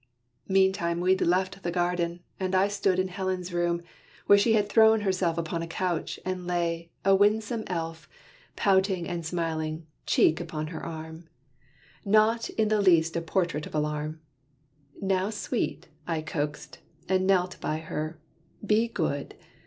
Meantime we'd left the garden; and I stood In Helen's room, where she had thrown herself Upon a couch, and lay, a winsome elf, Pouting and smiling, cheek upon her arm, Not in the least a portrait of alarm. "Now sweet!" I coaxed, and knelt by her, "be good!